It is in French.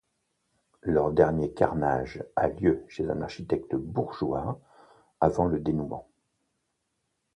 Leur dernier carnage a lieu chez un architecte bourgeois, avant le dénouement.